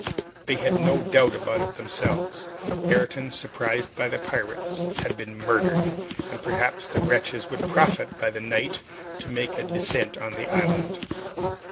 They had no doubt about it themselves! Ayrton, surprised by the pirates, had been murdered, and, perhaps, the wretches would profit by the night to make a descent on the island!